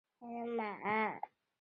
后者是后发座的一个旋涡星系。